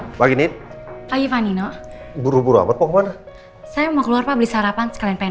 hai pagi nih pagi panino buru buru amat mau kemana saya mau keluar beli sarapan sekalian pengen